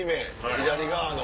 左側の。